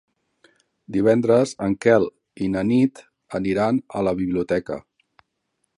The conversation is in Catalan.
Divendres en Quel i na Nit aniran a la biblioteca.